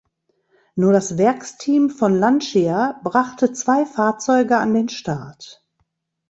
Nur das Werksteam von Lancia brachte zwei Fahrzeuge an den Start.